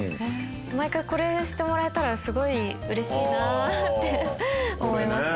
毎回これしてもらえたらすごいうれしいなって思いました。